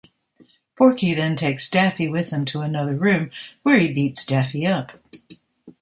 Porky then takes Daffy with him to another room, where he beats Daffy up.